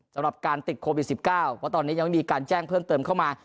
สำหรับการติดโควิด๑๙เพราะตอนนี้ยังไม่มีการแจ้งเพิ่มเติมเข้ามา